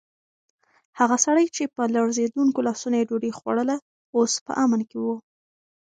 هغه سړی چې په لړزېدونکو لاسونو یې ډوډۍ خوړله، اوس په امن کې و.